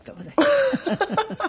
ハハハハ！